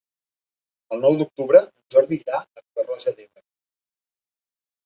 El nou d'octubre en Jordi irà a Riba-roja d'Ebre.